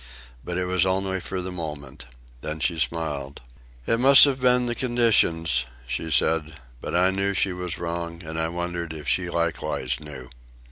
But it was only for the moment. Then she smiled. "It must have been the conditions," she said; but I knew she was wrong, and I wondered if she likewise knew.